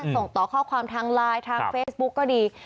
ส่งต่อข้อความทางไลน์ทางเฟซบุ๊กก็ดี